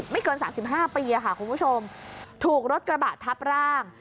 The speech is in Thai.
เกิน๓๕ปีค่ะคุณผู้ชมถูกรถกระบะทับร่าง